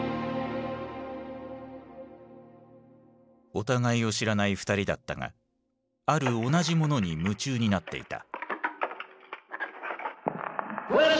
お互いを知らない２人だったがある同じものに夢中になっていた。